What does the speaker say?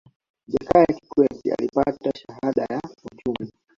jakaya kikwete alipata shahada ya uchumi